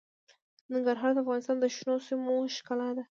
ننګرهار د افغانستان د شنو سیمو ښکلا ده.